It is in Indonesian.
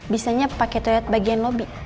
bisanya pakai toilet bagian lobby